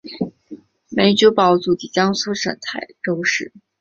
梅葆玖祖籍江苏省泰州市。